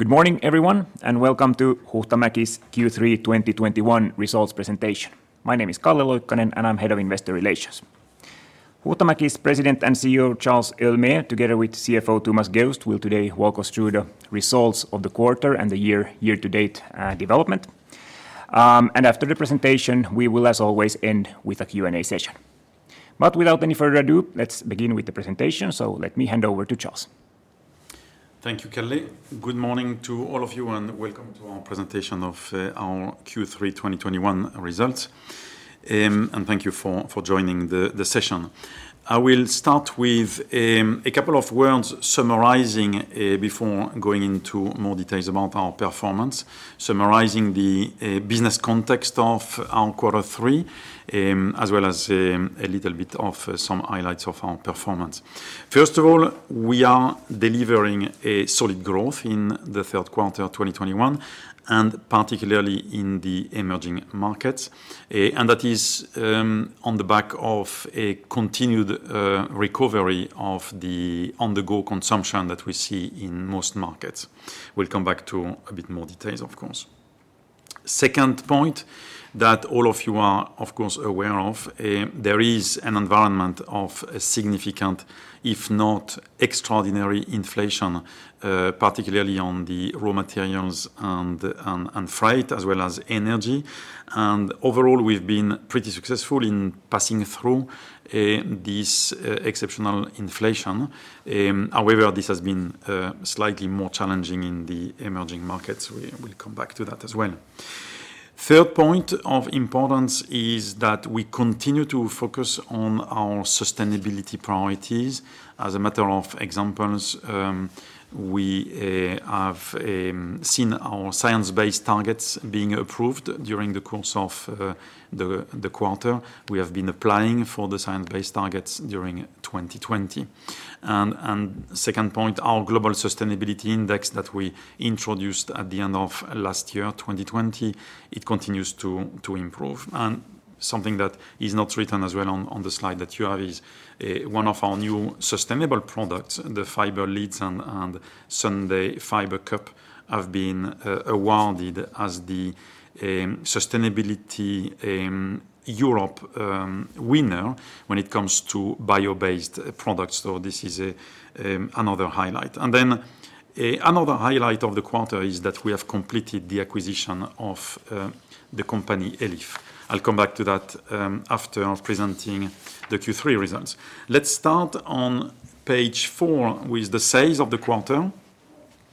Good morning, everyone, and welcome to Huhtamäki's Q3 2021 results presentation. My name is Calle Loikkanen, I'm Head of Investor Relations. Huhtamäki's President and CEO, Charles Héaulmé, together with CFO Thomas Geust, will today walk us through the results of the quarter and the year to date development. After the presentation, we will, as always, end with a Q&A session. Without any further ado, let's begin with the presentation. Let me hand over to Charles. Thank you, Calle. Good morning to all of you, and welcome to our presentation of our Q3 2021 results. Thank you for joining the session. I will start with a couple of words summarizing before going into more details about our performance, summarizing the business context of our Q3, as well as a little bit of some highlights of our performance. First of all, we are delivering a solid growth in the third quarter of 2021, and particularly in the emerging markets. That is on the back of a continued recovery of the on-the-go consumption that we see in most markets. We'll come back to a bit more details, of course. Second point that all of you are, of course, aware of, there is an environment of a significant, if not extraordinary inflation, particularly on the raw materials and freight, as well as energy. Overall, we've been pretty successful in passing through this exceptional inflation. However, this has been slightly more challenging in the emerging markets. We will come back to that as well. Third point of importance is that we continue to focus on our sustainability priorities. As a matter of examples, we have seen our Science Based Targets being approved during the course of the quarter. We have been applying for the Science Based Targets during 2020. Second point, our Global Sustainability Index that we introduced at the end of last year, 2020, it continues to improve. Something that is not written as well on the slide that you have is one of our new sustainable products, the Fiber Lid and Sundae Cup, have been awarded as the Sustainability Europe winner when it comes to bio-based products. This is another highlight. Another highlight of the quarter is that we have completed the acquisition of the company Elif. I'll come back to that after presenting the Q3 results. Let's start on page four with the sales of the quarter,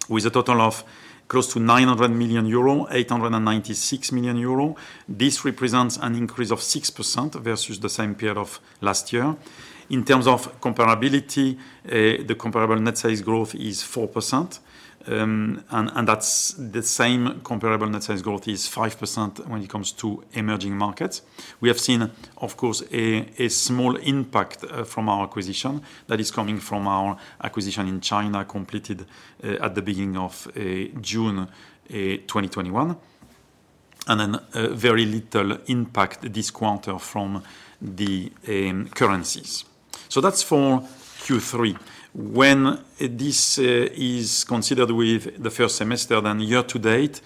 with a total of close to 900 million euro, 896 million euro. This represents an increase of 6% versus the same period of last year. In terms of comparability, the comparable net sales growth is 4%, and that's the same comparable net sales growth is 5% when it comes to emerging markets. We have seen, of course, a small impact from our acquisition that is coming from our acquisition in China, completed at the beginning of June 2021, and then very little impact this quarter from the currencies. That's for Q3. When this is considered with the first semester, then year to date,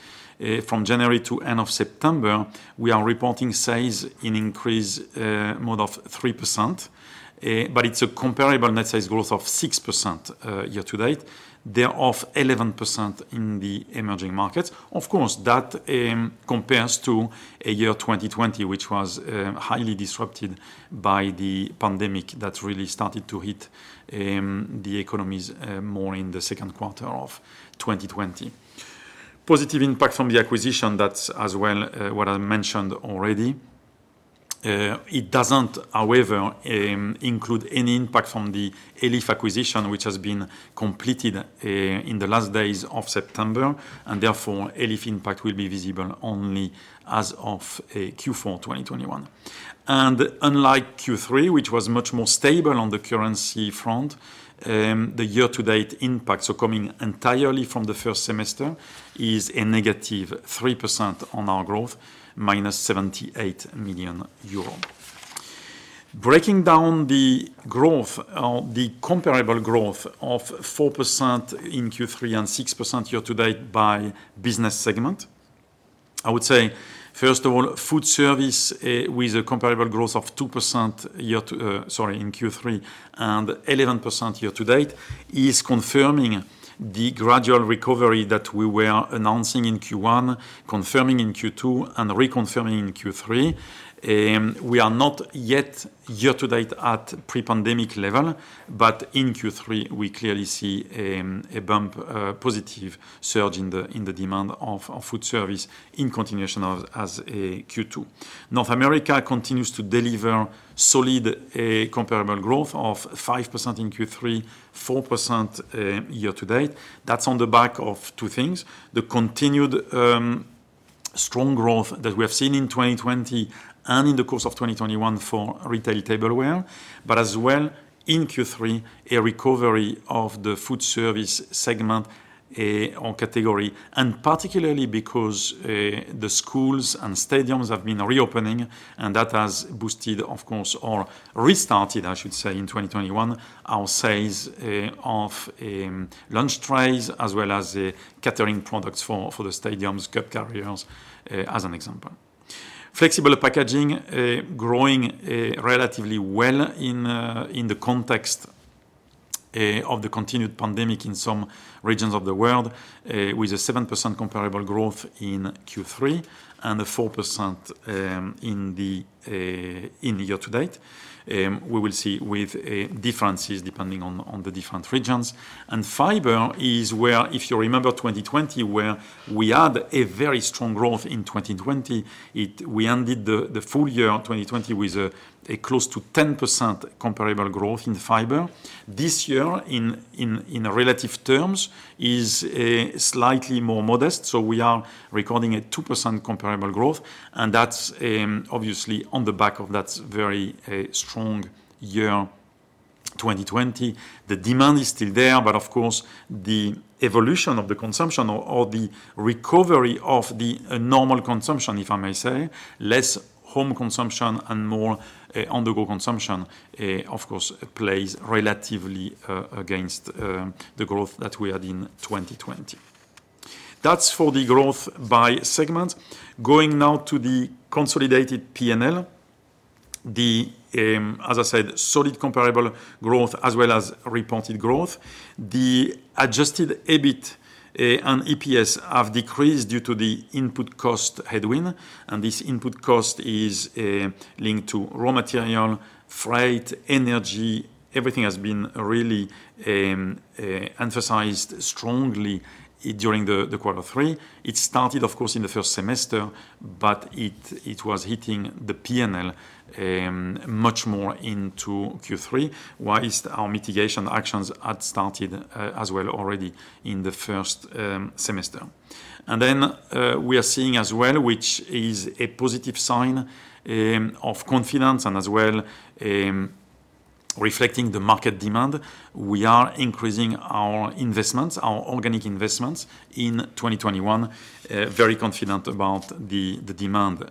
from January to end of September, we are reporting sales in increase mode of 3%, but it's a comparable net sales growth of 6% year to date. They are off 11% in the emerging markets. Of course, that compares to a year 2020, which was highly disrupted by the pandemic that really started to hit the economies more in the second quarter of 2020. Positive impact from the acquisition, that is as well what I mentioned already. It doesn't, however, include any impact from the Elif acquisition, which has been completed in the last days of September, and therefore, Elif impact will be visible only as of Q4 2021. Unlike Q3, which was much more stable on the currency front, the year-to-date impact, so coming entirely from the first semester, is a -3% on our growth, minus 78 million euro. Breaking down the comparable growth of 4% in Q3 and 6% year-to-date by business segment, I would say, first of all, Food Service with a comparable growth of 2% in Q3 and 11% year-to-date, is confirming the gradual recovery that we were announcing in Q1, confirming in Q2, and reconfirming in Q3. We are not yet year-to-date at pre-pandemic level, but in Q3, we clearly see a bump, a positive surge in the demand of Food Service in continuation as Q2. North America continues to deliver solid comparable growth of 5% in Q3, 4% year-to-date. That's on the back of two things, the continued strong growth that we have seen in 2020 and in the course of 2021 for retail tableware, but as well in Q3, a recovery of the food service segment or category, and particularly because the schools and stadiums have been reopening, and that has boosted, of course, or restarted, I should say, in 2021, our sales of lunch trays as well as the catering products for the stadiums, cup carriers, as an example. Flexible Packaging growing relatively well in the context of the continued pandemic in some regions of the world, with a 7% comparable growth in Q3 and a 4% in year-to-date. We will see with differences depending on the different regions. Fiber is where, if you remember 2020, where we had a very strong growth in 2020. We ended the full year 2020 with a close to 10% comparable growth in fiber. This year, in relative terms, is slightly more modest. We are recording a 2% comparable growth, and that's obviously on the back of that very strong year, 2020. The demand is still there, of course, the evolution of the consumption or the recovery of the normal consumption, if I may say, less home consumption and more on-the-go consumption, of course, plays relatively against the growth that we had in 2020. That's for the growth by segment. Going now to the consolidated P&L. As I said, solid comparable growth as well as reported growth. The adjusted EBIT and EPS have decreased due to the input cost headwind, and this input cost is linked to raw material, freight, energy. Everything has been really emphasized strongly during the quarter three. It started, of course, in the first semester, but it was hitting the P&L much more into Q3, whilst our mitigation actions had started as well already in the first semester. We are seeing as well, which is a positive sign of confidence and as well reflecting the market demand, we are increasing our organic investments in 2021. Very confident about the demand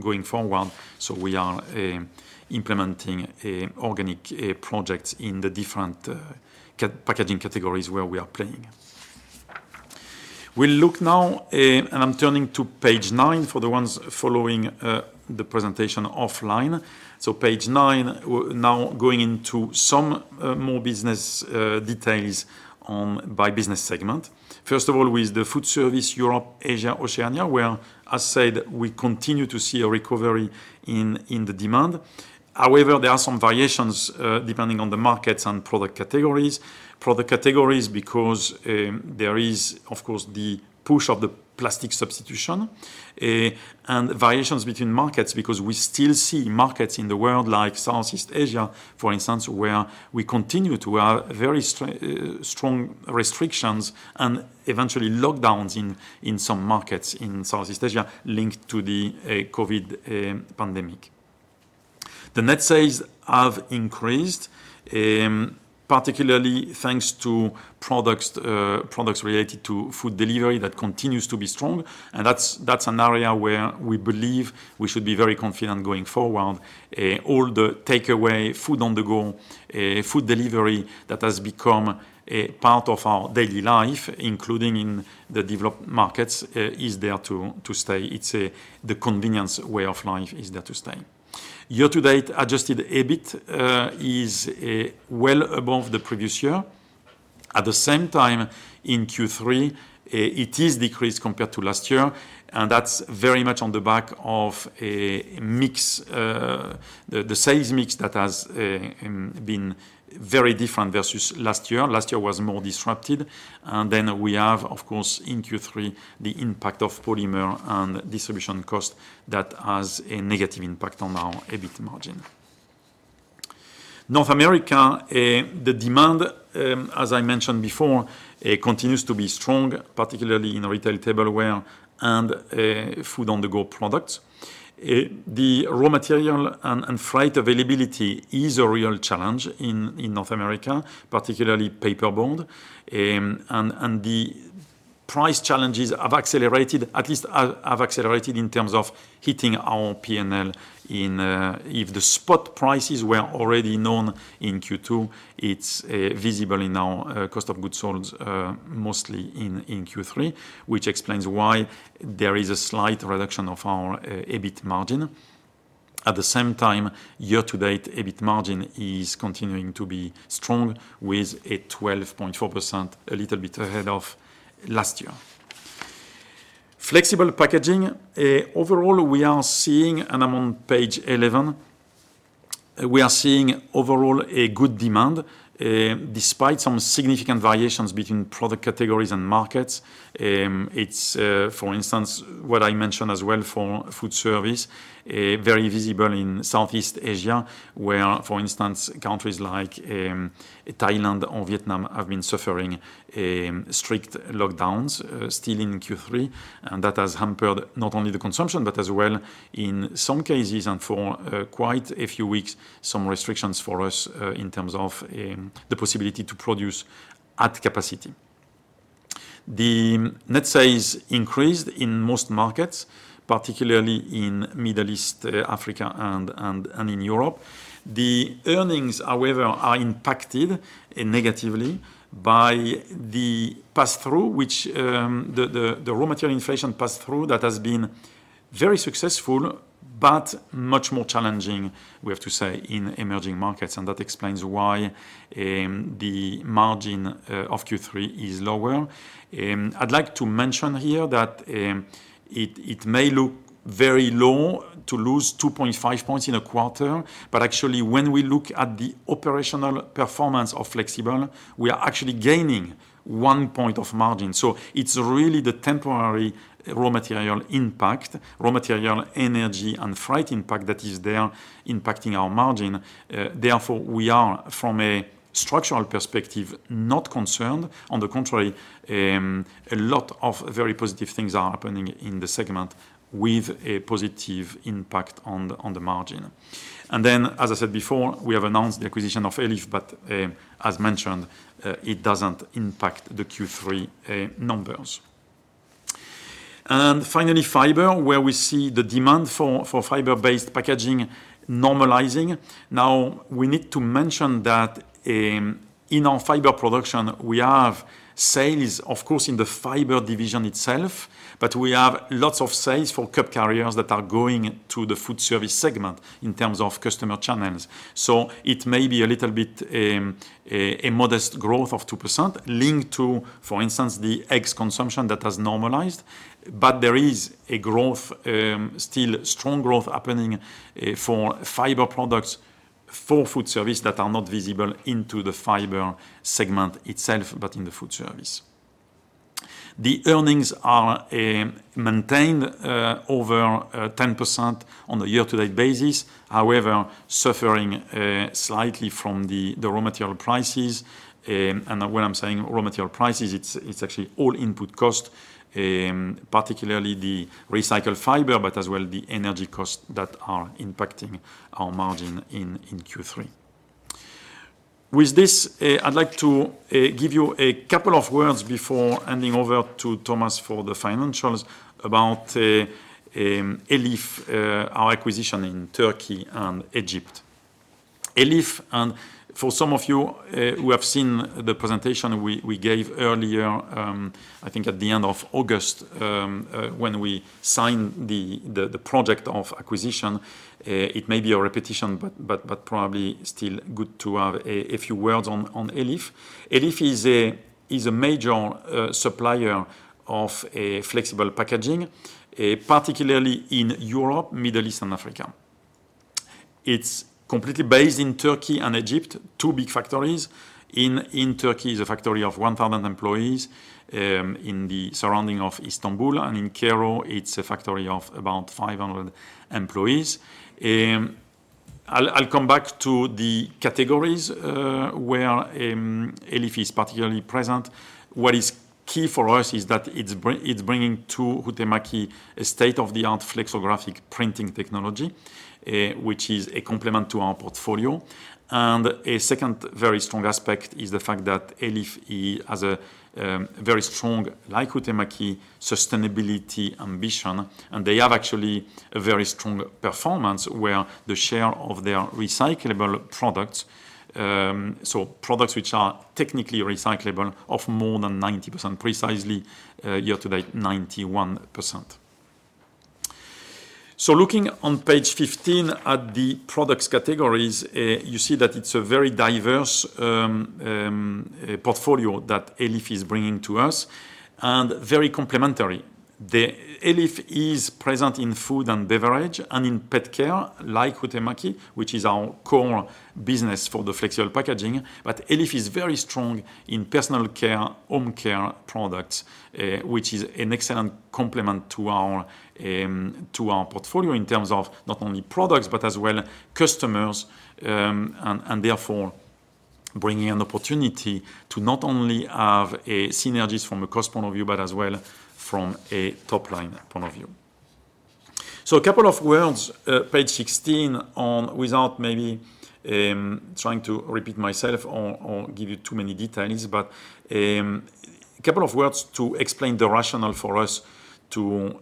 going forward. We are implementing organic projects in the different packaging categories where we are playing. We'll look now, and I'm turning to page nine for the ones following the presentation offline. Page nine, now going into some more business details by business segment. First of all, with the Food Service, Europe, Asia, Oceania, where, as said, we continue to see a recovery in the demand. However, there are some variations depending on the markets and product categories. Product categories, because there is, of course, the push of the plastic substitution, and variations between markets because we still see markets in the world like Southeast Asia, for instance, where we continue to have very strong restrictions and eventually lockdowns in some markets in Southeast Asia linked to the COVID pandemic. The net sales have increased, particularly thanks to products related to food delivery that continues to be strong. That's an area where we believe we should be very confident going forward. All the takeaway, food on the go, food delivery that has become a part of our daily life, including in the developed markets, is there to stay. The convenience way of life is there to stay. Year-to-date adjusted EBIT is well above the previous year. At the same time, in Q3, it is decreased compared to last year, and that's very much on the back of the sales mix that has been very different versus last year. Last year was more disrupted. We have, of course, in Q3, the impact of polymer and distribution cost that has a negative impact on our EBIT margin. North America, the demand, as I mentioned before, continues to be strong, particularly in retail tableware and food-on-the-go products. The raw material and freight availability is a real challenge in North America, particularly paperboard. The price challenges have accelerated, at least have accelerated in terms of hitting our P&L. If the spot prices were already known in Q2, it's visible in our cost of goods sold, mostly in Q3, which explains why there is a slight reduction of our EBIT margin. At the same time, year-to-date EBIT margin is continuing to be strong with a 12.4%, a little bit ahead of last year. Flexible packaging. Overall, we are seeing, and I'm on page 11, a good demand, despite some significant variations between product categories and markets. It's, for instance, what I mentioned as well for food service, very visible in Southeast Asia, where, for instance, countries like Thailand or Vietnam have been suffering strict lockdowns still in Q3. That has hampered not only the consumption, but as well in some cases and for quite a few weeks, some restrictions for us in terms of the possibility to produce at capacity. The net sales increased in most markets, particularly in Middle East, Africa, and in Europe. The earnings, however, are impacted negatively by the raw material inflation pass-through that has been very successful, but much more challenging, we have to say, in emerging markets. That explains why the margin of Q3 is lower. I'd like to mention here that it may look very low to lose 2.5 points in a quarter, but actually, when we look at the operational performance of Flexible, we are actually gaining one point of margin. It's really the temporary raw material impact, raw material energy, and freight impact that is there impacting our margin. Therefore, we are, from a structural perspective, not concerned. On the contrary, a lot of very positive things are happening in the segment with a positive impact on the margin. As I said before, we have announced the acquisition of Elif, but as mentioned, it doesn't impact the Q3 numbers. Finally, Fiber, where we see the demand for fiber-based packaging normalizing. Now, we need to mention that in our fiber production, we have sales, of course, in the Fiber division itself, but we have lots of sales for cup carriers that are going to the Food Service segment in terms of customer channels. It may be a little bit, a modest growth of 2% linked to, for instance, the eggs consumption that has normalized. There is a growth, still strong growth happening for fiber products for food service that are not visible into the Fiber segment itself, but in the food service. The earnings are maintained over 10% on a year-to-date basis, however, suffering slightly from the raw material prices. When I'm saying raw material prices, it's actually all input cost, particularly the recycled fiber, but as well the energy costs that are impacting our margin in Q3. With this, I'd like to give you a couple of words before handing over to Thomas for the financials about Elif, our acquisition in Turkey and Egypt. Elif, and for some of you who have seen the presentation we gave earlier, I think at the end of August, when we signed the project of acquisition, it may be a repetition, but probably still good to have a few words on Elif. Elif is a major supplier of flexible packaging, particularly in Europe, Middle East, and Africa. It's completely based in Turkey and Egypt, two big factories. In Turkey is a factory of 1,000 employees in the surrounding of Istanbul, and in Cairo, it's a factory of about 500 employees. I'll come back to the categories where Elif is particularly present. What is key for us is that it's bringing to Huhtamäki a state-of-the-art flexographic printing technology, which is a complement to our portfolio. A second very strong aspect is the fact that Elif has a very strong, like Huhtamäki, sustainability ambition, and they have actually a very strong performance where the share of their recyclable products, so products which are technically recyclable of more than 90%, precisely year to date, 91%. Looking on page 15 at the products categories, you see that it's a very diverse portfolio that Elif is bringing to us and very complementary. Elif is present in food and beverage and in pet care, like Huhtamäki, which is our core business for the flexible packaging. Elif is very strong in personal care, home care products, which is an excellent complement to our portfolio in terms of not only products, but as well customers, and therefore bringing an opportunity to not only have synergies from a cost point of view, but as well from a top-line point of view. A couple of words, page 16, on without maybe trying to repeat myself or give you too many details, a couple of words to explain the rationale for us to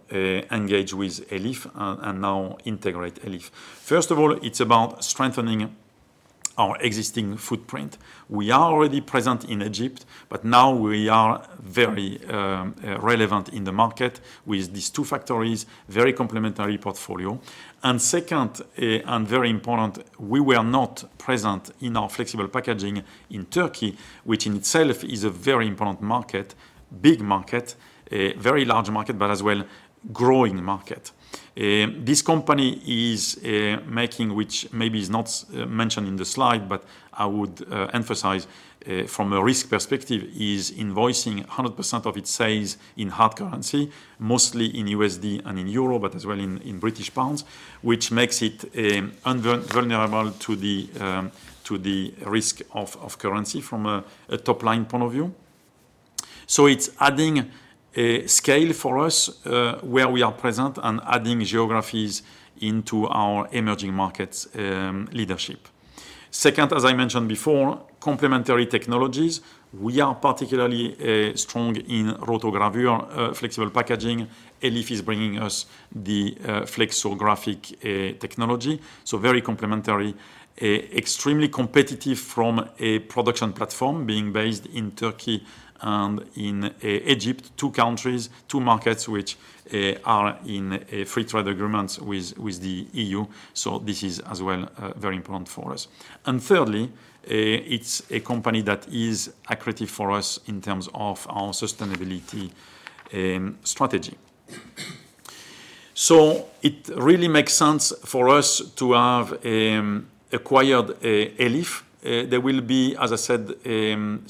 engage with Elif and now integrate Elif. First of all, it's about strengthening our existing footprint. We are already present in Egypt, now we are very relevant in the market with these two factories, very complementary portfolio. Second, and very important, we were not present in our flexible packaging in Turkey, which in itself is a very important market, big market, a very large market, but as well growing market. This company is making, which maybe is not mentioned in the slide, but I would emphasize from a risk perspective, is invoicing 100% of its sales in hard currency, mostly in USD and in Euro, but as well in British Pounds, which makes it invulnerable to the risk of currency from a top-line point of view. It's adding scale for us where we are present and adding geographies into our emerging markets leadership. Second, as I mentioned before, complementary technologies. We are particularly strong in rotogravure flexible packaging. Elif is bringing us the flexographic technology. Very complementary, extremely competitive from a production platform being based in Turkey and in Egypt, two countries, two markets which are in free trade agreements with the EU. This is as well very important for us. Thirdly, it is a company that is accretive for us in terms of our sustainability strategy. It really makes sense for us to have acquired Elif. There will be, as I said,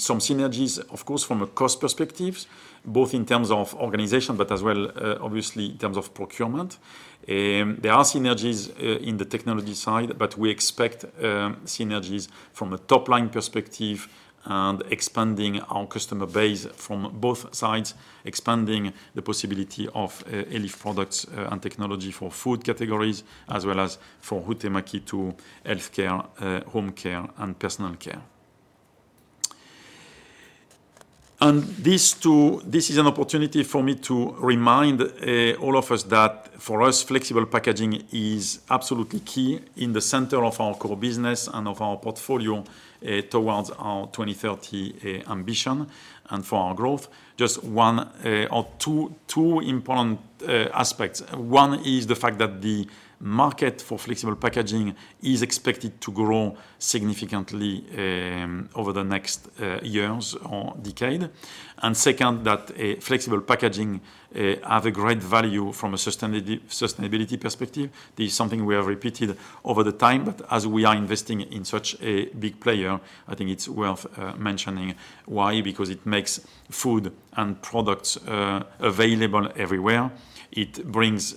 some synergies, of course, from a cost perspective, both in terms of organization, but as well, obviously, in terms of procurement. There are synergies in the technology side, but we expect synergies from a top-line perspective and expanding our customer base from both sides, expanding the possibility of Elif products and technology for food categories, as well as for Huhtamäki to healthcare, home care, and personal care. This is an opportunity for me to remind all of us that for us, flexible packaging is absolutely key in the center of our core business and of our portfolio towards our 2030 ambition and for our growth. Just one or two important aspects. One is the fact that the market for flexible packaging is expected to grow significantly over the next years or decade. Second, that flexible packaging have a great value from a sustainability perspective. This is something we have repeated over the time, but as we are investing in such a big player, I think it's worth mentioning why, because it makes food and products available everywhere. It brings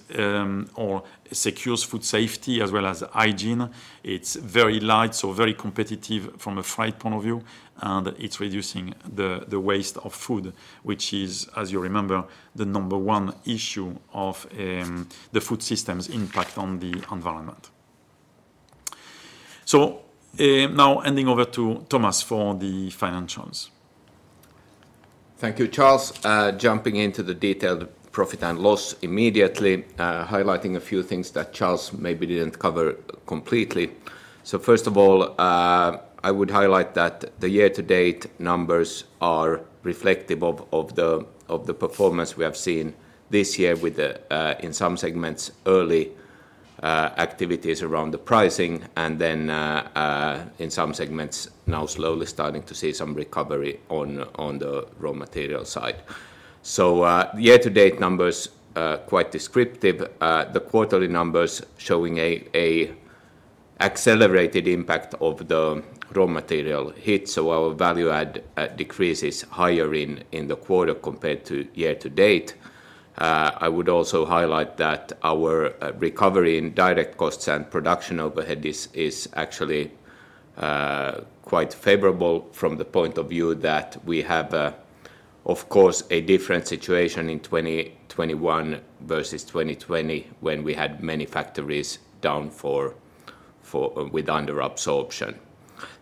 or secures food safety as well as hygiene. It's very light, so very competitive from a freight point of view. It's reducing the waste of food, which is, as you remember, the number one issue of the food system's impact on the environment. Now handing over to Thomas for the financials. Thank you, Charles. Jumping into the detailed profit and loss immediately, highlighting a few things that Charles Héaulmé maybe didn't cover completely. First of all, I would highlight that the year-to-date numbers are reflective of the performance we have seen this year with the, in some segments, early activities around the pricing, and then in some segments now slowly starting to see some recovery on the raw material side. The year-to-date numbers are quite descriptive. The quarterly numbers showing a accelerated impact of the raw material hit. Our value add decrease is higher in the quarter compared to year-to-date. I would also highlight that our recovery in direct costs and production overhead is actually quite favorable from the point of view that we have, of course, a different situation in 2021 versus 2020, when we had many factories down with under absorption.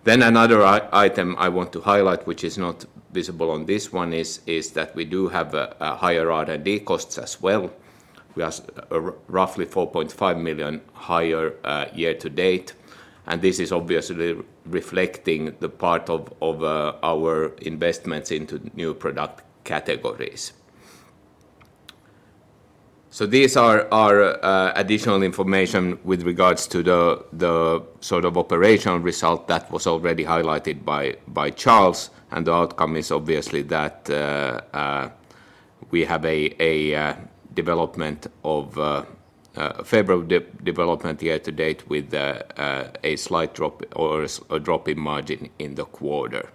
Another item I want to highlight, which is not visible on this one, is that we do have higher R&D costs as well. We are roughly 4.5 million higher year-to-date. This is obviously reflecting the part of our investments into new product categories. These are our additional information with regards to the sort of operational result that was already highlighted by Charles. The outcome is obviously that we have a favorable development year-to-date with a slight drop or a drop in margin in the quarter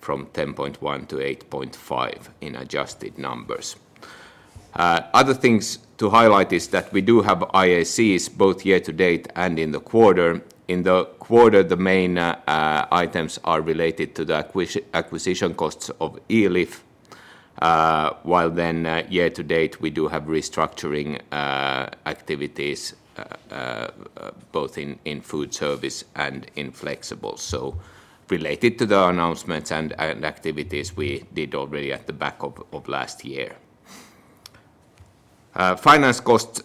from 10.1% to 8.5% in adjusted numbers. Other things to highlight is that we do have IACs both year-to-date and in the quarter. In the quarter, the main items are related to the acquisition costs of Elif, while then year-to-date, we do have restructuring activities both in food service and in Flexible. Related to the announcements and activities we did already at the back of last year. Finance cost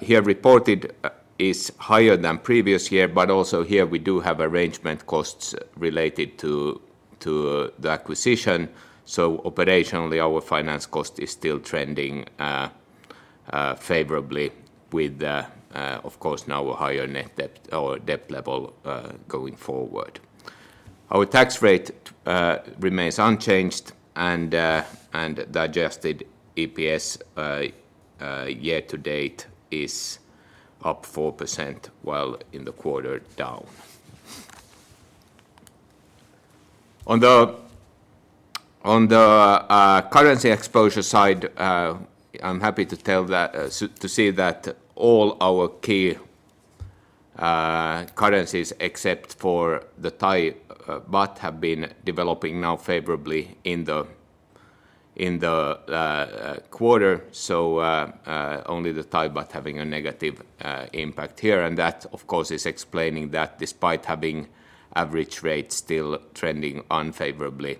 here reported is higher than previous year, but also here we do have arrangement costs related to the acquisition. Operationally, our finance cost is still trending favorably with, of course, now a higher net debt or debt level going forward. Our tax rate remains unchanged and the adjusted EPS year-to-date is up 4%, while in the quarter down. On the currency exposure side, I'm happy to see that all our key currencies, except for the Thai baht, have been developing now favorably in the quarter. Only the Thai baht having a negative impact here. That, of course, is explaining that despite having average rates still trending unfavorably,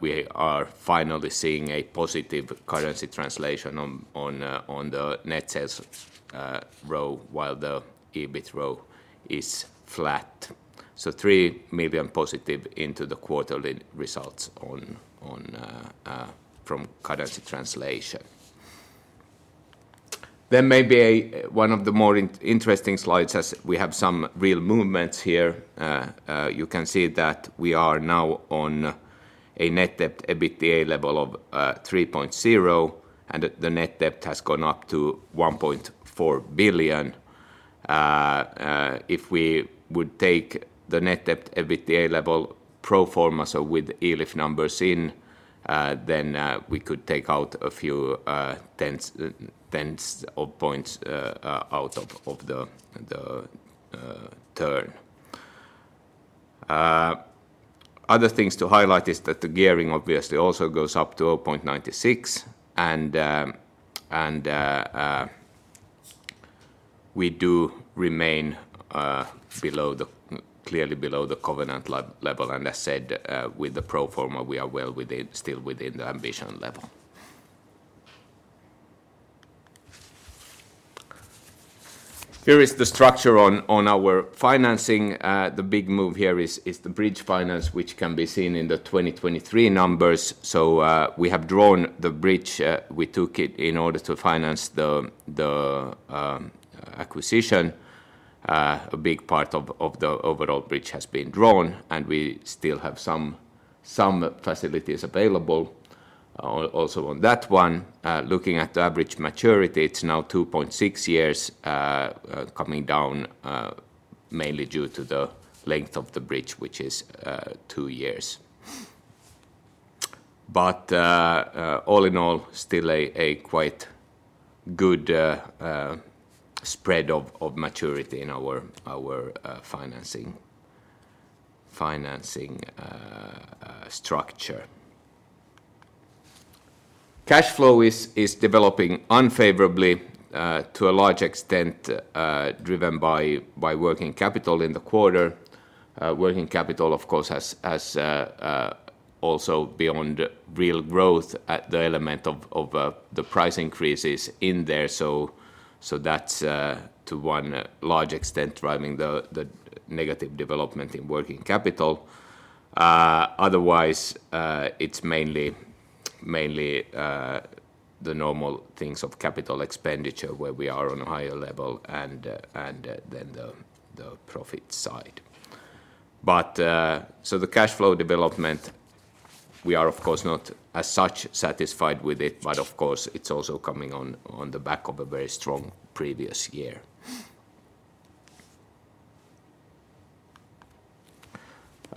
we are finally seeing a positive currency translation on the net sales row, while the EBIT row is flat. 3 million positive into the quarterly results from currency translation. Maybe one of the more interesting slides as we have some real movements here. You can see that we are now on a net debt EBITDA level of 3.0, and the net debt has gone up to 1.4 billion. If we would take the net debt EBITDA level pro forma, with Elif numbers in, we could take out a few tenths of points out of the turn. Other things to highlight is that the gearing obviously also goes up to 0.96, and we do remain clearly below the covenant level. As said, with the pro forma, we are well still within the ambition level. Here is the structure on our financing. The big move here is the bridge finance, which can be seen in the 2023 numbers. We have drawn the bridge. We took it in order to finance the acquisition. A big part of the overall bridge has been drawn, and we still have some facilities available. Also on that one, looking at the average maturity, it's now 2.6 years, coming down mainly due to the length of the bridge, which is two years. All in all, still a quite good spread of maturity in our financing structure. Cash flow is developing unfavorably to a large extent, driven by working capital in the quarter. Working capital, of course, has also beyond real growth the element of the price increases in there. That's to one large extent driving the negative development in working capital. Otherwise, it's mainly the normal things of CapEx where we are on a higher level and then the profit side. The cash flow development, we are, of course, not as such satisfied with it, but of course, it's also coming on the back of a very strong previous year.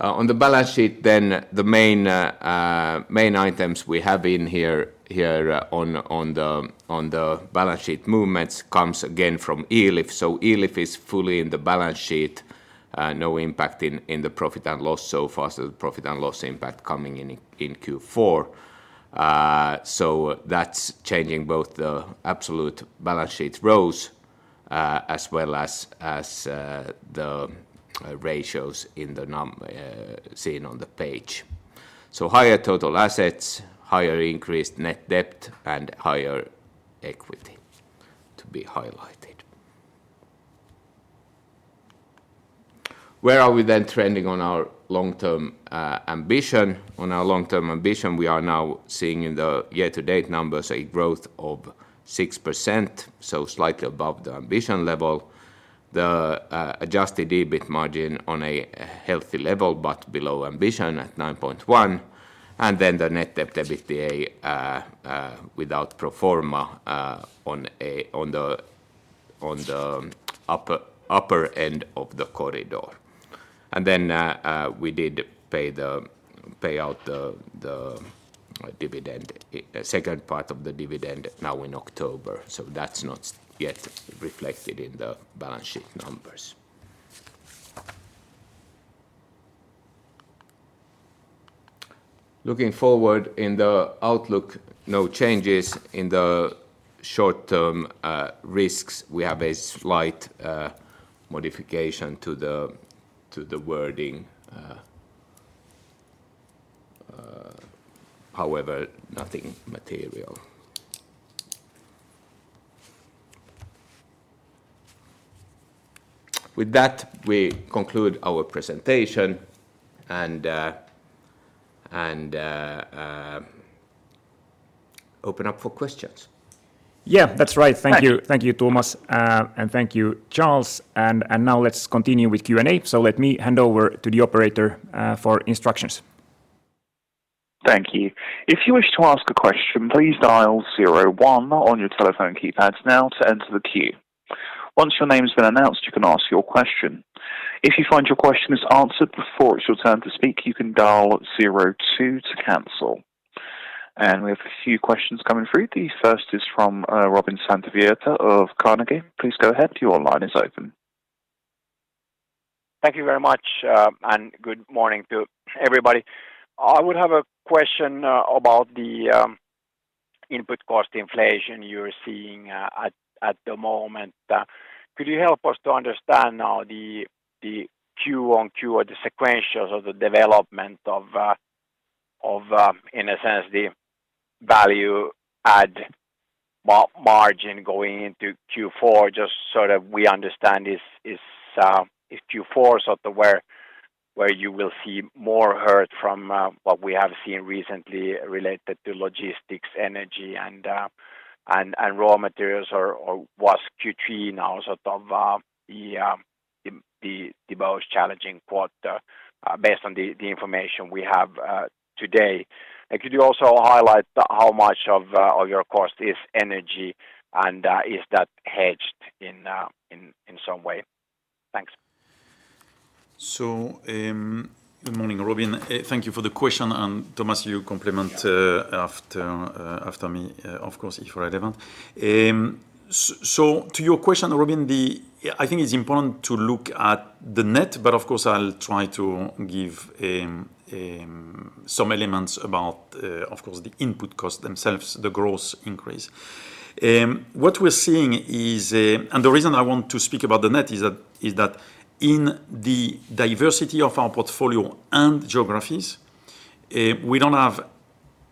On the balance sheet then, the main items we have in here on the balance sheet movements comes again from Elif. Elif is fully in the balance sheet. No impact in the profit and loss so far. The profit and loss impact coming in in Q4. That's changing both the absolute balance sheet rows as well as the ratios seen on the page. Higher total assets, higher increased net debt, and higher equity to be highlighted. Where are we then trending on our long-term ambition? On our long-term ambition, we are now seeing in the year-to-date numbers a growth of 6%, so slightly above the ambition level, the adjusted EBIT margin on a healthy level, but below ambition at 9.1%, the net debt to EBITDA without pro forma on the upper end of the corridor. We did pay out the second part of the dividend now in October. That's not yet reflected in the balance sheet numbers. Looking forward in the outlook, no changes in the short-term risks. We have a slight modification to the wording. However, nothing material. With that, we conclude our presentation and open up for questions. Yeah. That's right. Thank you, Thomas. Thank you, Charles. Now let's continue with Q&A. Let me hand over to the operator for instructions. Thank you. If you wish to ask a question, please dial 01 on your telephone keypads now to enter the queue. Once your name has been announced, you can ask your question. If you find your question is answered before it's your turn to speak, you can dial 02 to cancel. We have a few questions coming through. The first is from Robin Santavirta of Carnegie. Please go ahead. Your line is open. Thank you very much, and good morning to everybody. I would have a question about the input cost inflation you're seeing at the moment. Could you help us to understand now the Q on Q or the sequentials of the development of, in a sense, the value add margin going into Q4, just so that we understand is Q4 sort of where you will see more hurt from what we have seen recently related to logistics, energy and raw materials was Q3 now, the most challenging quarter based on the information we have today. Could you also highlight how much of your cost is energy, and is that hedged in some way? Thanks. Good morning, Robin. Thank you for the question, and Thomas, you complement after me, of course, if relevant. To your question, Robin, I think it's important to look at the net, but of course, I'll try to give some elements about the input costs themselves, the gross increase. The reason I want to speak about the net is that in the diversity of our portfolio and geographies, we don't have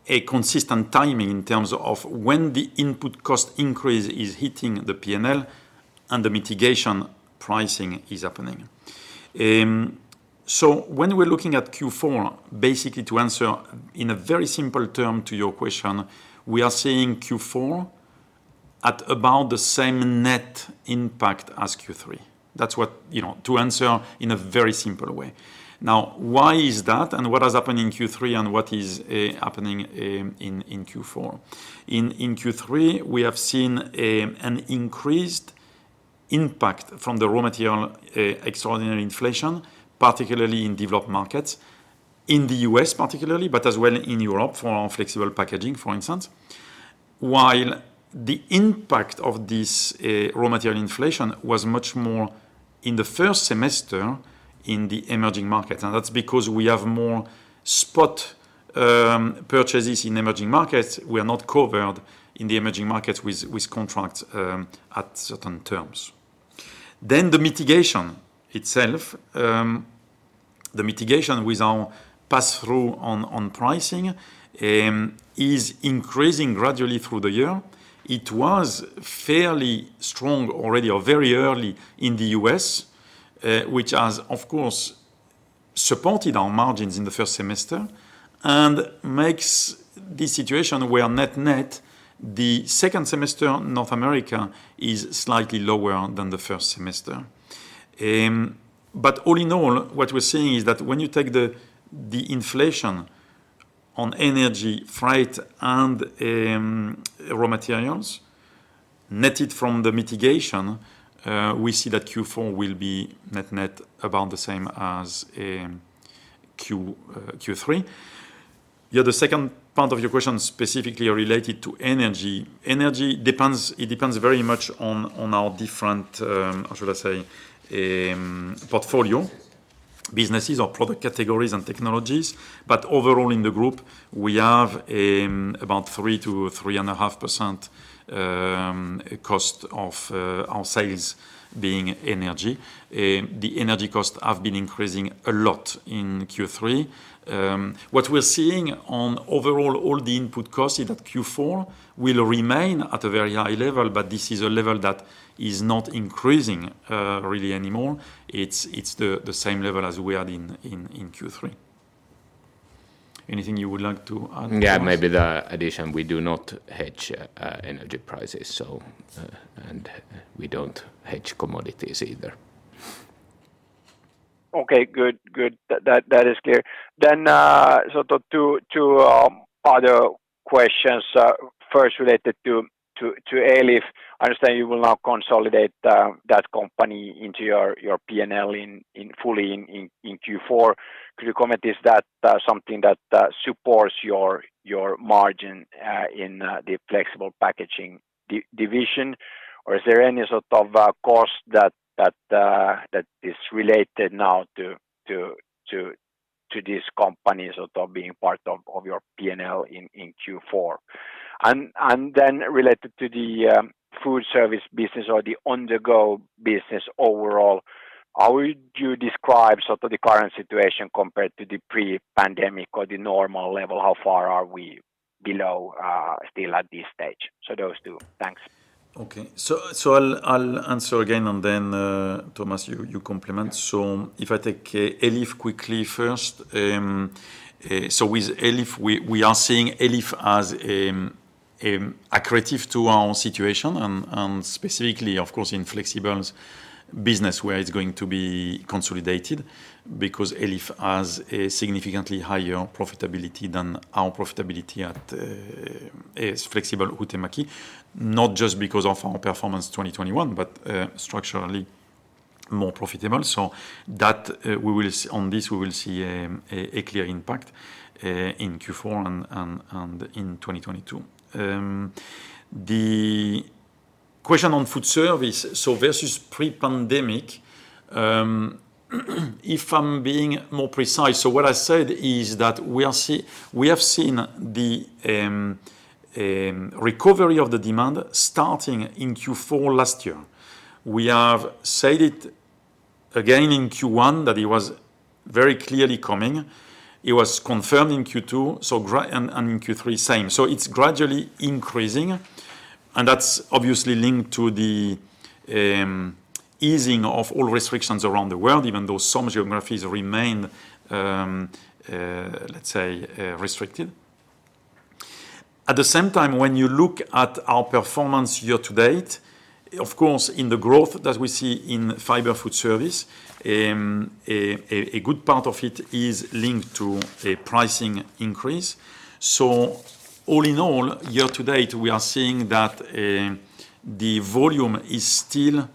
a consistent timing in terms of when the input cost increase is hitting the P&L and the mitigation pricing is happening. When we're looking at Q4, basically to answer in a very simple term to your question, we are seeing Q4 at about the same net impact as Q3. That's to answer in a very simple way. Why is that and what has happened in Q3 and what is happening in Q4? In Q3, we have seen an increased impact from the raw material extraordinary inflation, particularly in developed markets, in the U.S. particularly, but as well in Europe for our flexible packaging, for instance. The impact of this raw material inflation was much more in the first semester in the emerging markets, that's because we have more spot purchases in emerging markets. We are not covered in the emerging markets with contracts at certain terms. The mitigation itself. The mitigation with our pass-through on pricing is increasing gradually through the year. It was fairly strong already or very early in the U.S. which has, of course, supported our margins in the first semester and makes this situation where net net the second semester North America is slightly lower than the first semester. All in all, what we're seeing is that when you take the inflation on energy, freight, and raw materials, net it from the mitigation, we see that Q4 will be net net about the same as Q3. The other second part of your question specifically related to energy. Energy depends very much on our different, how should I say, portfolio businesses or product categories and technologies. Overall in the group, we have about 3%-3.5% cost of our sales being energy. The energy costs have been increasing a lot in Q3. What we're seeing on overall all the input costs is that Q4 will remain at a very high level. This is a level that is not increasing really anymore. It's the same level as we had in Q3. Anything you would like to add? Yeah, maybe the addition, we do not hedge energy prices, and we don't hedge commodities either. Okay, good. That is clear. Two other questions. First, related to Elif. I understand you will now consolidate that company into your P&L fully in Q4. Could you comment, is that something that supports your margin in the Flexible Packaging division? Is there any sort of cost that is related now to this company being part of your P&L in Q4? Related to the food service business or the on-the-go business overall, how would you describe the current situation compared to the pre-pandemic or the normal level? How far are we below still at this stage? Those two. Thanks. Okay. I'll answer again, and then Thomas, you complement. If I take Elif quickly first. With Elif, we are seeing Elif as accretive to our situation and specifically, of course, in Flexibles Business, where it's going to be consolidated because Elif has a significantly higher profitability than our profitability at Huhtamaki Flexible Packaging. Not just because of our performance 2021, but structurally more profitable. On this, we will see a clear impact in Q4 and in 2022. The question on food service, so versus pre-pandemic, if I'm being more precise, so what I said is that we have seen the recovery of the demand starting in Q4 last year. We have said it again in Q1 that it was very clearly coming. It was confirmed in Q2 and in Q3, same. It's gradually increasing, and that's obviously linked to the easing of all restrictions around the world, even though some geographies remain, let's say, restricted. At the same time, when you look at our performance year to date, of course, in the growth that we see in Fiber Food Service, a good part of it is linked to a pricing increase. All in all, year to date, we are seeing that the volume is still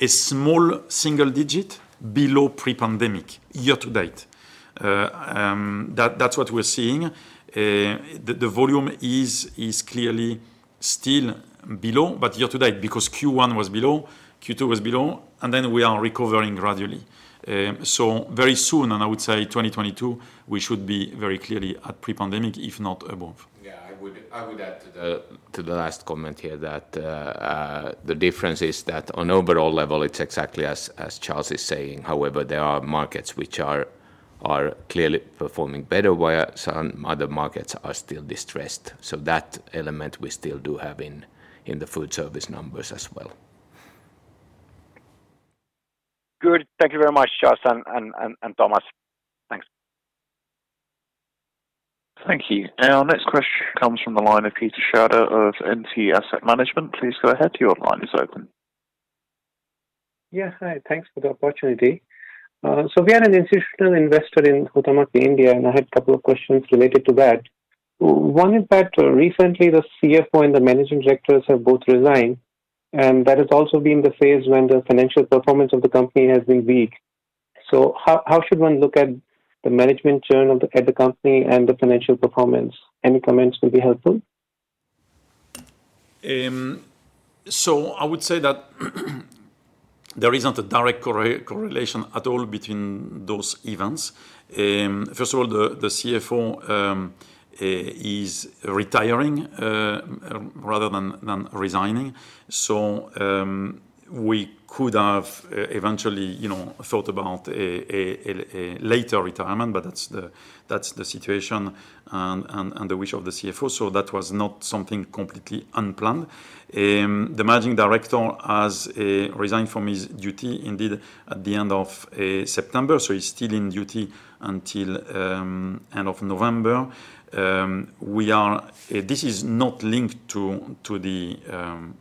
a small single-digit below pre-pandemic, year to date. That's what we're seeing. The volume is clearly still below, but year to date, because Q1 was below, Q2 was below, and then we are recovering gradually. Very soon, and I would say 2022, we should be very clearly at pre-pandemic, if not above. I would add to the last comment here that the difference is that on overall level, it's exactly as Charles is saying. However, there are markets which are clearly performing better, where some other markets are still distressed. That element we still do have in the food service numbers as well. Good. Thank you very much, Charles and Thomas. Thanks. Thank you. Our next question comes from the line of[Peter Shadow of NT Asset Management. Yeah. Hi. Thanks for the opportunity. We are an institutional investor in Huhtamaki India, and I had a couple of questions related to that. One is that recently the CFO and the managing directors have both resigned, and that has also been the phase when the financial performance of the company has been weak. How should one look at the management churn at the company and the financial performance? Any comments will be helpful. I would say that there isn't a direct correlation at all between those events. First of all, the CFO is retiring rather than resigning. We could have eventually thought about a later retirement, but that's the situation and the wish of the CFO, so that was not something completely unplanned. The managing director has resigned from his duty indeed at the end of September, so he's still in duty until end of November. This is not linked to the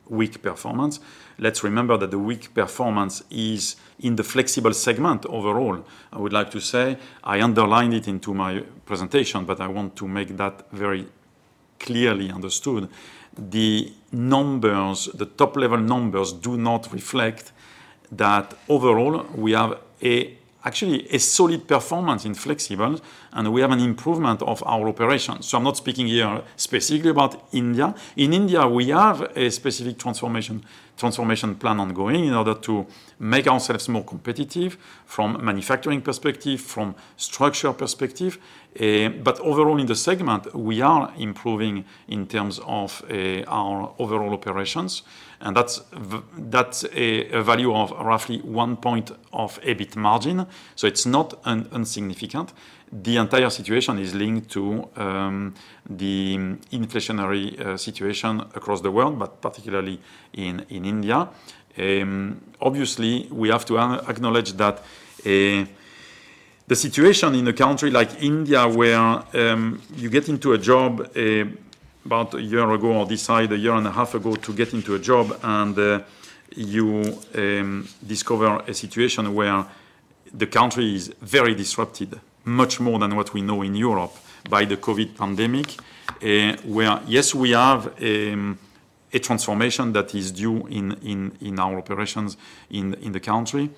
weak performance. Let's remember that the weak performance is in the flexible segment overall. I would like to say I underlined it into my presentation, but I want to make that very clearly understood. The top-level numbers do not reflect that overall, we have actually a solid performance in flexible, and we have an improvement of our operations. I'm not speaking here specifically about India. In India, we have a specific transformation plan ongoing in order to make ourselves more competitive from manufacturing perspective, from structure perspective. Overall in the segment, we are improving in terms of our overall operations, and that's a value of roughly one point of EBIT margin. It's not insignificant. The entire situation is linked to the inflationary situation across the world, but particularly in India. Obviously, we have to acknowledge that the situation in a country like India where you get into a job about a year ago or decide a year and a half ago to get into a job, and you discover a situation where the country is very disrupted, much more than what we know in Europe by the COVID pandemic, where yes, we have a transformation that is due in our operations in the country.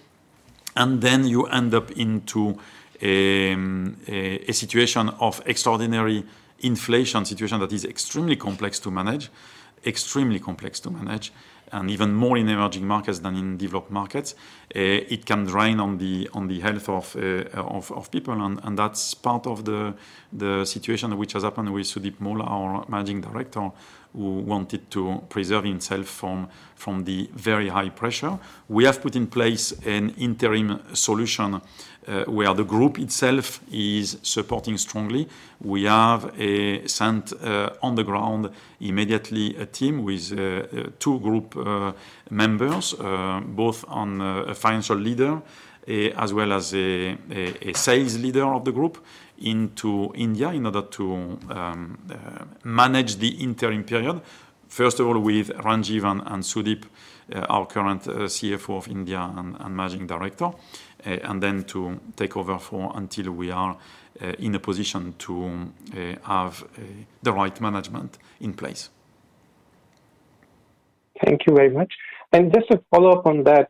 Then you end up into a situation of extraordinary inflation situation that is extremely complex to manage. Extremely complex to manage, even more in emerging markets than in developed markets. It can drain on the health of people. That's part of the situation which has happened with Sudip Mall, our managing director, who wanted to preserve himself from the very high pressure. We have put in place an interim solution, where the group itself is supporting strongly. We have sent on the ground immediately a team with two group members, both on a financial leader as well as a sales leader of the group into India in order to manage the interim period. First of all, with Rajeev Joshi and Sudip Mall, our current CFO of India and Managing Director, and then to take over for until we are in a position to have the right management in place. Thank you very much. Just a follow-up on that.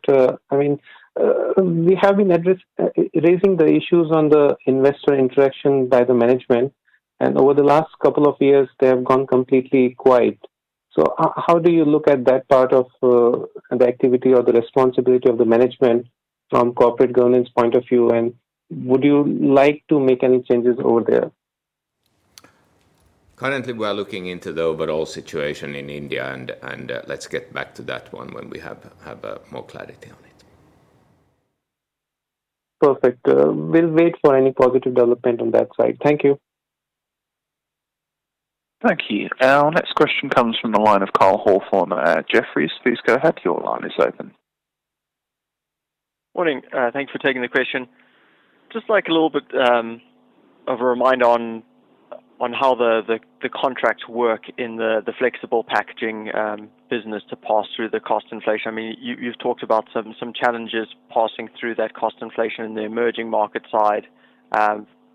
We have been raising the issues on the investor interaction by the management, and over the last two years, they have gone completely quiet. How do you look at that part of the activity or the responsibility of the management from corporate governance point of view, and would you like to make any changes over there? Currently, we are looking into the overall situation in India. Let's get back to that one when we have more clarity on it. Perfect. We'll wait for any positive development on that side. Thank you. Thank you. Our next question comes from the line of Cole Hathorn at Jefferies. Morning. Thanks for taking the question. Just a little bit of a reminder on how the contracts work in the flexible packaging business to pass through the cost inflation. You've talked about some challenges passing through that cost inflation in the emerging market side,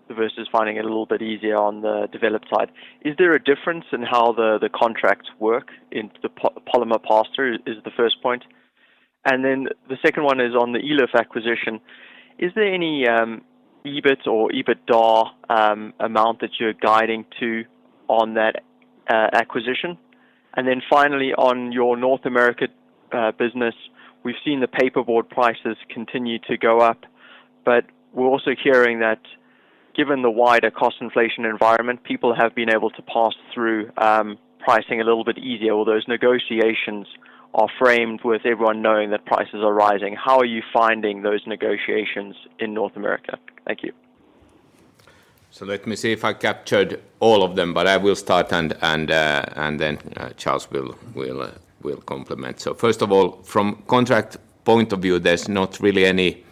versus finding it a little bit easier on the developed side. Is there a difference in how the contracts work in the polymer pass-through is the first point, and then the second one is on the Elif acquisition? Is there any EBIT or EBITDA amount that you're guiding to on that acquisition? Finally, on your North America business, we've seen the paper board prices continue to go up, but we're also hearing that given the wider cost inflation environment, people have been able to pass through pricing a little bit easier. Although those negotiations are framed with everyone knowing that prices are rising. How are you finding those negotiations in North America? Thank you. Let me see if I captured all of them, but I will start and then Charles will complement. First of all, from contract point of view, there's not really any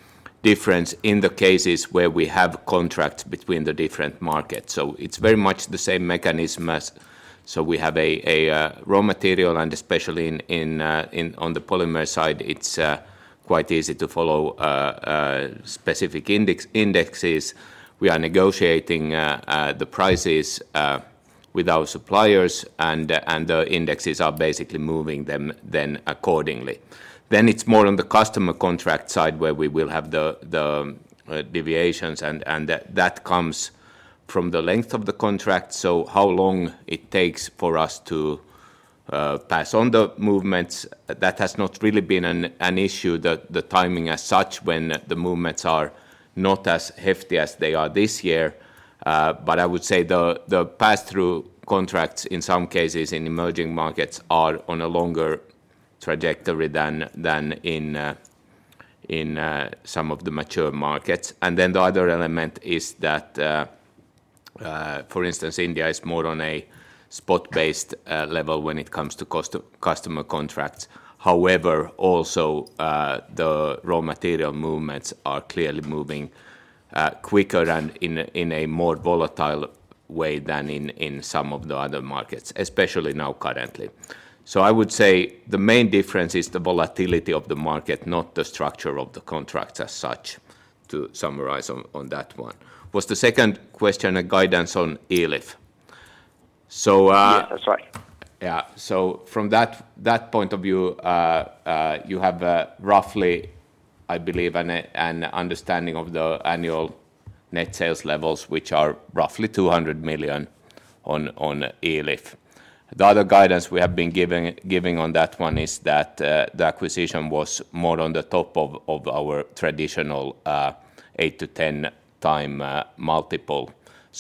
difference in the cases where we have contracts between the different markets. It's very much the same mechanism as we have a raw material, and especially on the polymer side, it's quite easy to follow specific indexes. We are negotiating the prices with our suppliers, and the indexes are basically moving them then accordingly. It's more on the customer contract side where we will have the deviations, and that comes from the length of the contract. How long it takes for us to pass on the movements, that has not really been an issue, the timing as such, when the movements are not as hefty as they are this year. I would say the pass-through contracts, in some cases in emerging markets, are on a longer trajectory than in some of the mature markets. The other element is that, for instance, India is more on a spot-based level when it comes to customer contracts. However, also, the raw material movements are clearly moving quicker and in a more volatile way than in some of the other markets, especially now currently. I would say the main difference is the volatility of the market, not the structure of the contract as such, to summarize on that one. Was the second question a guidance on Elif? Yes, that's right. Yeah. From that point of view, you have roughly, I believe, an understanding of the annual net sales levels, which are roughly 200 million on Elif. The other guidance we have been giving on that one is that the acquisition was more on the top of our traditional 8x-10x multiple.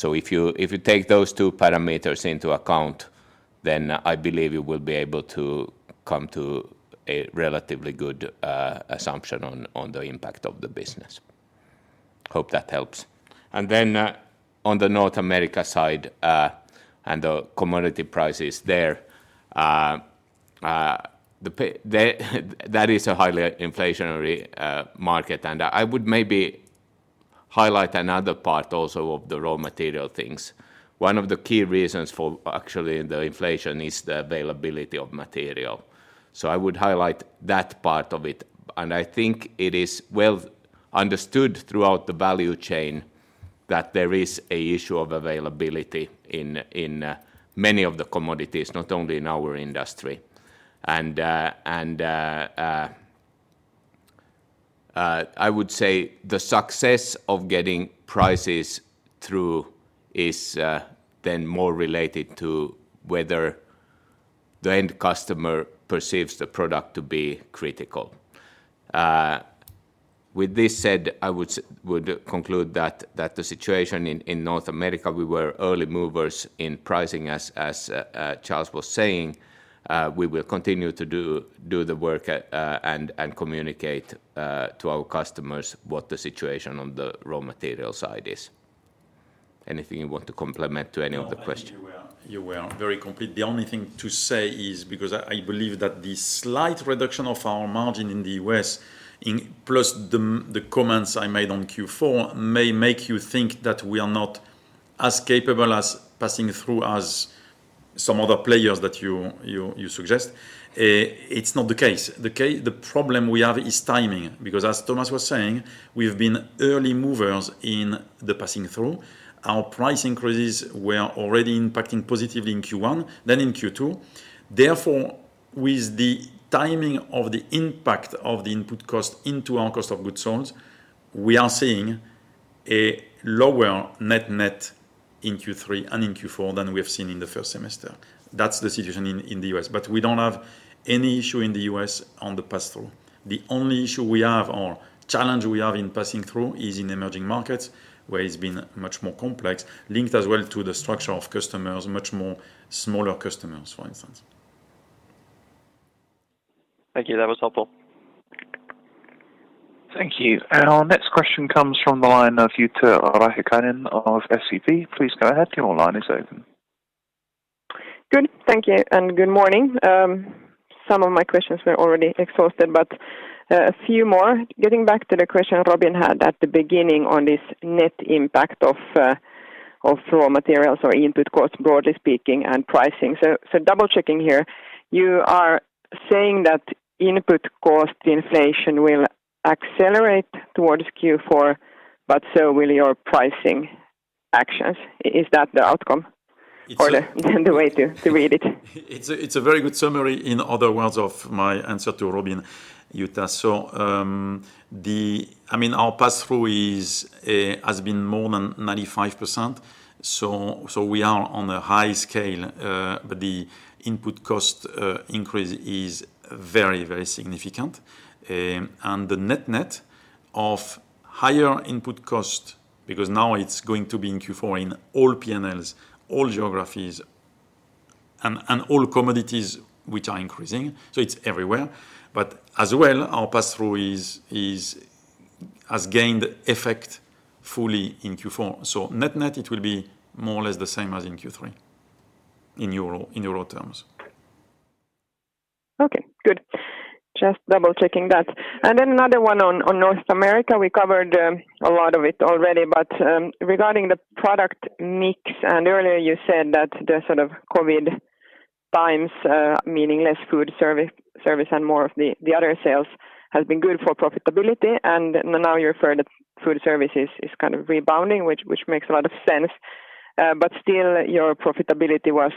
If you take those two parameters into account, then I believe you will be able to come to a relatively good assumption on the impact of the business. Hope that helps. On the North America side, and the commodity prices there, that is a highly inflationary market, and I would maybe highlight another part also of the raw material things. One of the key reasons for actually the inflation is the availability of material. I would highlight that part of it, and I think it is well understood throughout the value chain that there is a issue of availability in many of the commodities, not only in our industry. I would say the success of getting prices through is then more related to whether the end customer perceives the product to be critical. With this said, I would conclude that the situation in North America, we were early movers in pricing, as Charles was saying. We will continue to do the work, and communicate to our customers what the situation on the raw material side is. Anything you want to complement to any of the questions? No, I think you were very complete. The only thing to say is because I believe that the slight reduction of our margin in the U.S., plus the comments I made on Q4, may make you think that we are not as capable as passing through as some other players that you suggest. It's not the case. The problem we have is timing, because as Thomas was saying, we've been early movers in the passing through. Our price increases were already impacting positively in Q1, then in Q2. Therefore, with the timing of the impact of the input cost into our cost of goods sold, we are seeing a lower net net in Q3 and in Q4 than we have seen in the first semester. That's the situation in the U.S. We don't have any issue in the U.S. on the pass-through. The only issue we have or challenge we have in passing through is in emerging markets, where it's been much more complex, linked as well to the structure of customers, much more smaller customers, for instance. Thank you. That was helpful. Thank you. Our next question comes from the line of Jutta Rahikainen of SEB. Please go ahead. Good. Thank you, and good morning. Some of my questions were already exhausted, but a few more. Getting back to the question Robin had at the beginning on this net impact of raw materials or input costs, broadly speaking, and pricing. Double-checking here, you are saying that input cost inflation will accelerate towards Q4, but so will your pricing actions. Is that the outcome? The way to read it? It's a very good summary, in other words, of my answer to Robin, Jutta. Our pass-through has been more than 95%, so we are on a high scale. The input cost increase is very, very significant. The net net of higher input cost, because now it's going to be in Q4 in all P&Ls, all geographies, and all commodities, which are increasing, so it's everywhere. As well, our pass-through has gained effect fully in Q4. Net net, it will be more or less the same as in Q3, in EUR terms. Okay, good. Just double-checking that. Another one on North America. We covered a lot of it already, regarding the product mix, earlier you said that the sort of COVID times, meaning less food service and more of the other sales, has been good for profitability, now you refer that food service is kind of rebounding, which makes a lot of sense. Still, your profitability was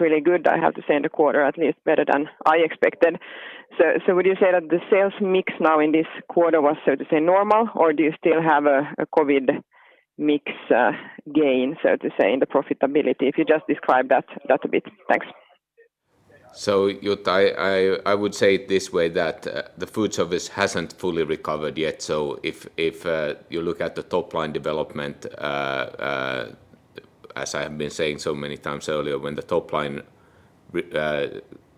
really good, I have to say, in the quarter, at least better than I expected. Would you say that the sales mix now in this quarter was, so to say, normal, or do you still have a COVID mix gain in the profitability? If you just describe that a bit. Thanks. Jutta, I would say it this way, that the food service hasn't fully recovered yet. If you look at the top-line development, as I have been saying so many times earlier, when the top line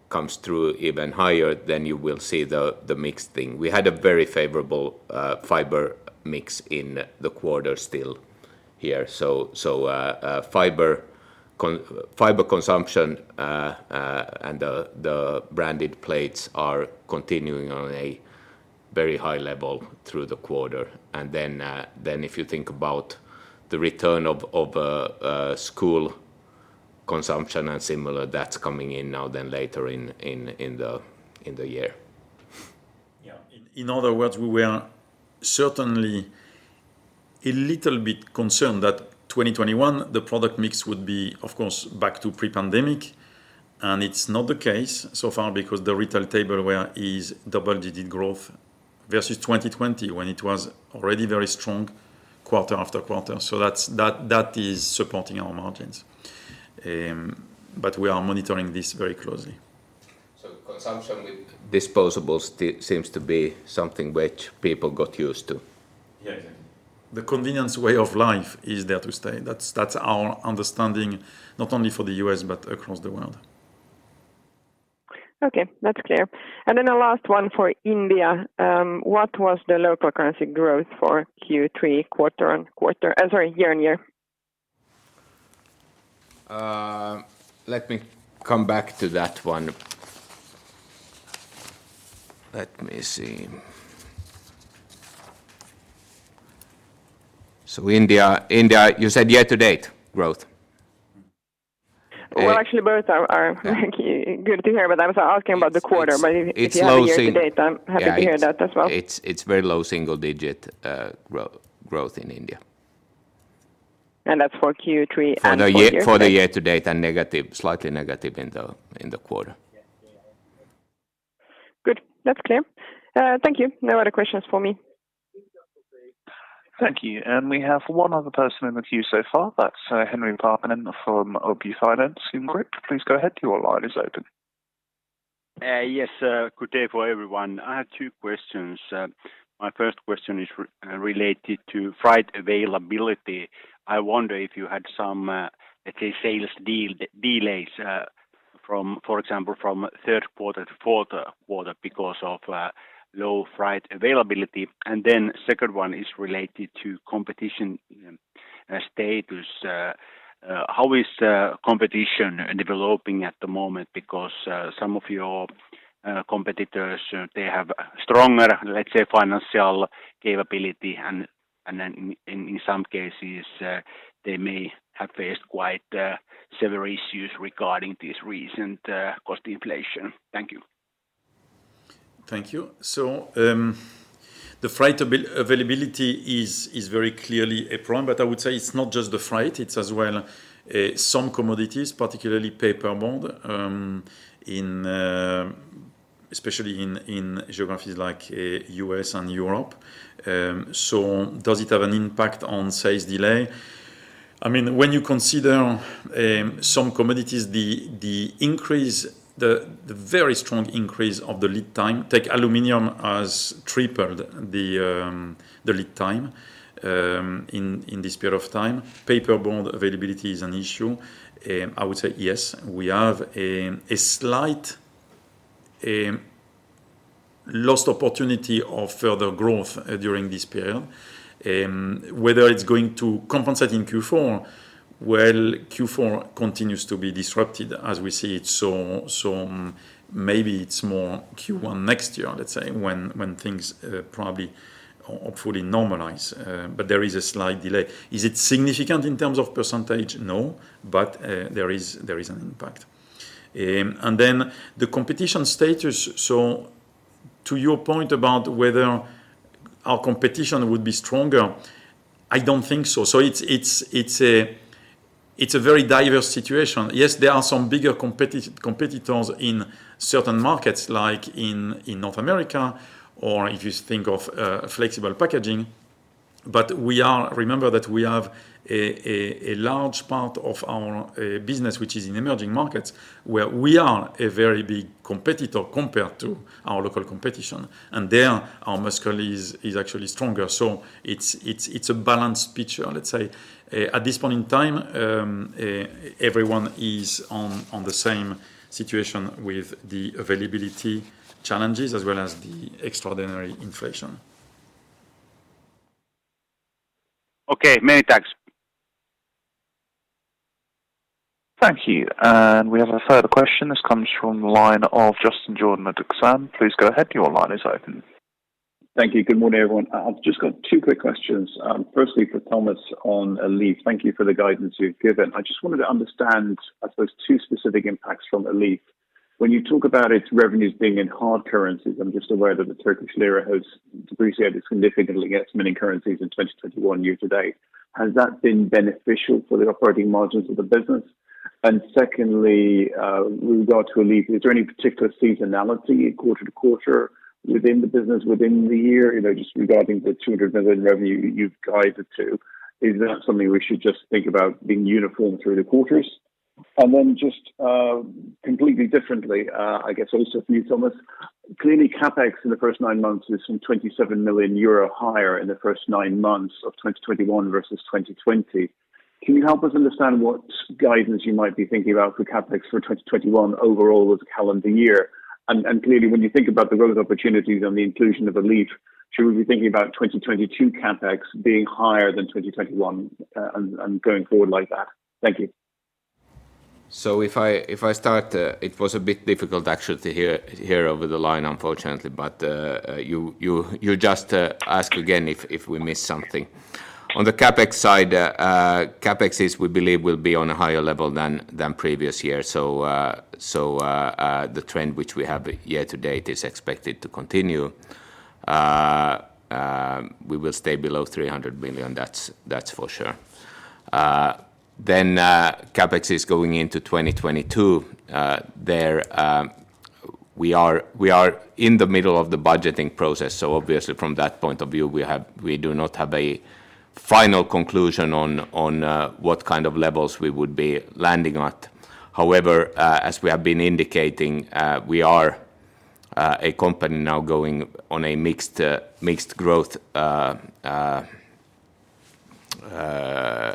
comes through even higher, then you will see the mix thing. We had a very favorable fiber mix in the quarter still here. Fiber consumption and the branded plates are continuing on a very high level through the quarter. If you think about the return of school consumption and similar, that's coming in now than later in the year. In other words, we were certainly a little bit concerned that 2021, the product mix would be, of course, back to pre-pandemic, and it's not the case so far because the retail tableware is double-digit growth versus 2020, when it was already very strong quarter-after-quarter. That is supporting our margins. We are monitoring this very closely. Consumption with disposables seems to be something which people got used to. Yes. The convenience way of life is there to stay. That's our understanding, not only for the U.S., but across the world. Okay, that's clear. Then the last one for India. What was the local currency growth for Q3 quarter-on-quarter Sorry, year-on-year? Let me come back to that one. Let me see. India, you said year-to-date growth? Well, actually, both are good to hear, but I was asking about the quarter. If you have year to date- It's low single. I'm happy to hear that as well. It's very low single digit growth in India. That's for Q3 and for the year? For the year to date and slightly negative in the quarter. Good. That's clear. Thank you. No other questions for me. Thank you. We have one other person in the queue so far. That's Henri Parkkinen from OP Financial Group. Please go ahead. Your line is open. Yes, good day for everyone. I have two questions. My first question is related to freight availability. I wonder if you had some, let's say, sales delays, for example, from third quarter to fourth quarter because of low freight availability. Second one is related to competition status. How is competition developing at the moment? Some of your competitors, they have stronger, let's say, financial capability, and then in some cases, they may have faced quite several issues regarding this recent cost inflation. Thank you. Thank you. The freight availability is very clearly a problem, but I would say it's not just the freight, it's as well some commodities, particularly paperboard, especially in geographies like U.S. and Europe. Does it have an impact on sales delay? When you consider some commodities, the very strong increase of the lead time, take aluminum as tripled the lead time in this period of time. Paperboard availability is an issue. I would say yes, we have a slight lost opportunity of further growth during this period. Whether it's going to compensate in Q4, well, Q4 continues to be disrupted as we see it, so maybe it's more Q1 next year, let's say, when things probably hopefully normalize. There is a slight delay. Is it significant in terms of percentage? No. There is an impact. The competition status. To your point about whether our competition would be stronger, I don't think so. It's a very diverse situation. Yes, there are some bigger competitors in certain markets, like in North America or if you think of flexible packaging. Remember that we have a large part of our business, which is in emerging markets, where we are a very big competitor compared to our local competition. There, our muscle is actually stronger. It's a balanced picture, let's say. At this point in time, everyone is on the same situation with the availability challenges as well as the extraordinary inflation. Okay. Many thanks. Thank you. We have a further question. This comes from the line of Justin Jordan at Exane. Please go ahead, your line is open. Thank you. Good morning, everyone. I've just got two quick questions. Firstly, for Thomas on Elif. Thank you for the guidance you've given. I just wanted to understand, I suppose, two specific impacts from Elif. When you talk about its revenues being in hard currencies, I'm just aware that the Turkish lira has depreciated significantly against many currencies in 2021 year to date. Has that been beneficial for the operating margins of the business? Secondly, with regard to Elif, is there any particular seasonality quarter to quarter within the business within the year, just regarding the $200 million revenue you've guided to? Is that something we should just think about being uniform through the quarters? Then just completely differently, I guess also for you, Thomas. Clearly, CapEx in the first nine months is some 27 million euro higher in the first nine months of 2021 versus 2020. Can you help us understand what guidance you might be thinking about for CapEx for 2021 overall with calendar year? And clearly, when you think about the growth opportunities and the inclusion of Elif, should we be thinking about 2022 CapEx being higher than 2021, and going forward like that? Thank you. If I start, it was a bit difficult actually to hear over the line, unfortunately. You just ask again if we missed something. On the CapEx side, CapEx is, we believe, will be on a higher level than previous year. The trend which we have year to date is expected to continue. We will stay below 300 million, that's for sure. CapEx is going into 2022. There, we are in the middle of the budgeting process, so obviously from that point of view, we do not have a final conclusion on what kind of levels we would be landing at. As we have been indicating, we are a company now going on a mixed growth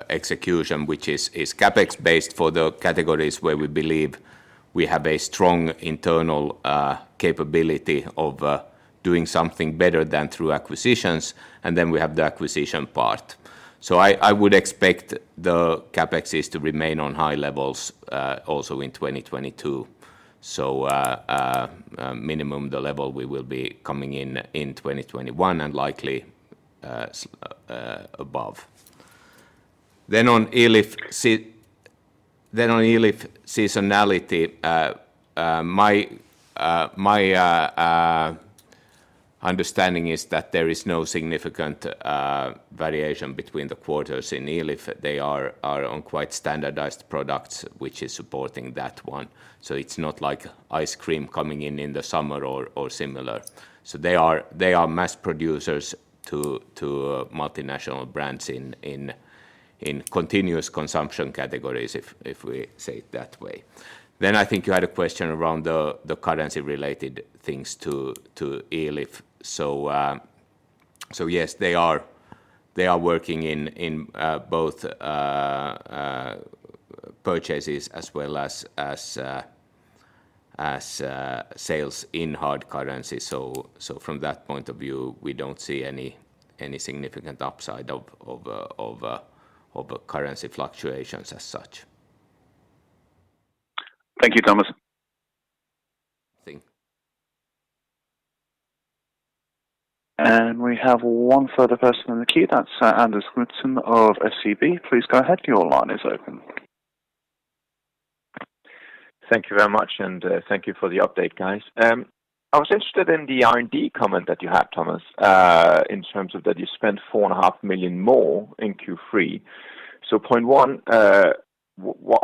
execution, which is CapEx based for the categories where we believe we have a strong internal capability of doing something better than through acquisitions, and then we have the acquisition part. I would expect the CapEx to remain on high levels also in 2022. Minimum the level we will be coming in in 2021 and likely above. On Elif seasonality, my understanding is that there is no significant variation between the quarters in Elif. They are on quite standardized products, which is supporting that one. It's not like ice cream coming in in the summer or similar. They are mass producers to multinational brands in continuous consumption categories, if we say it that way. I think you had a question around the currency related things to Elif. Yes, they are working in both purchases as well as sales in hard currency. From that point of view, we don't see any significant upside of currency fluctuations as such. Thank you, Thomas. Thank you. We have one further person in the queue, that's Anders Rasmussen of SEB. Please go ahead, your line is open. Thank you very much. Thank you for the update, guys. I was interested in the R&D comment that you had, Thomas, in terms of that you spent 4.5 million more in Q3. Point one,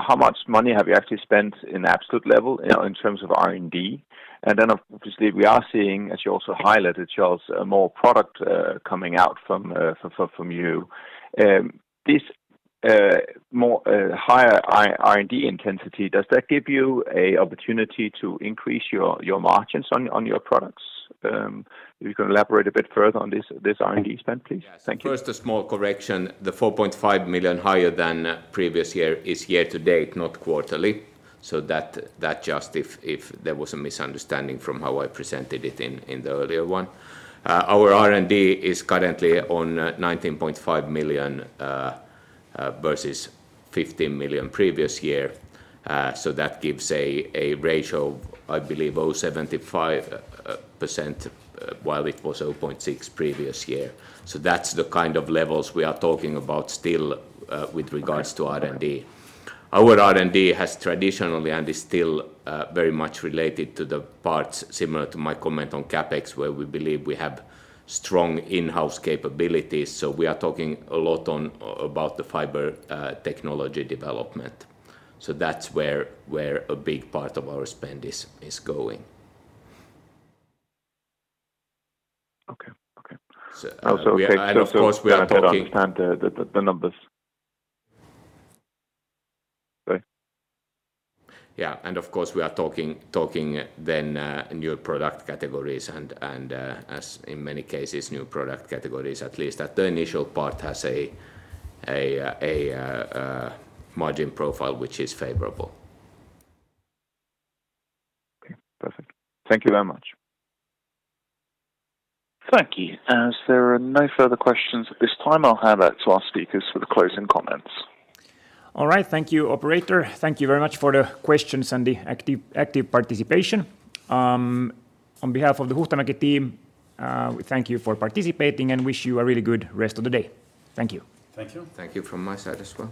how much money have you actually spent in absolute level in terms of R&D? Obviously we are seeing, as you also highlighted, Charles, more product coming out from you. This higher R&D intensity, does that give you a opportunity to increase your margins on your products? If you can elaborate a bit further on this R&D spend, please. Thank you. Yes. First, a small correction. The 4.5 million higher than previous year is year to date, not quarterly. That just if there was a misunderstanding from how I presented it in the earlier one. Our R&D is currently on 19.5 million versus 15 million previous year. That gives a ratio of, I believe, 0.75%, while it was 0.6% previous year. That's the kind of levels we are talking about still with regards to R&D. Our R&D has traditionally, and is still very much related to the parts similar to my comment on CapEx, where we believe we have strong in-house capabilities. We are talking a lot about the fiber technology development. That's where a big part of our spend is going. Okay. Of course, we are. To understand the numbers. Sorry. Yeah, of course, we are talking then new product categories and as in many cases, new product categories, at least at the initial part, has a margin profile which is favorable. Okay. Perfect. Thank you very much. Thank you. As there are no further questions at this time, I'll hand out to our speakers for the closing comments. All right. Thank you, operator. Thank you very much for the questions and the active participation. On behalf of the Huhtamäki team, we thank you for participating and wish you a really good rest of the day. Thank you. Thank you. Thank you from my side as well.